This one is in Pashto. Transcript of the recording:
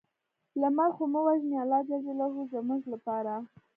لمر خو مه وژنې الله ج زموږ لپاره